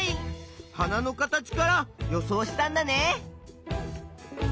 花の形から予想したんだね。